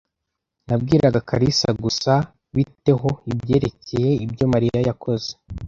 "Nabwiraga kalisa gusa." "Bite ho?" "Ibyerekeye ibyo Mariya yakoze."